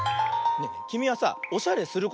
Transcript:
きみはさおしゃれすることある？